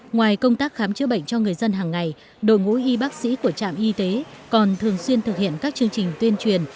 ngoài công tác khám chữa bệnh cho người dân hàng ngày đội ngũ y bác sĩ của trạm y tế còn thường xuyên thực hiện các chương trình tuyên truyền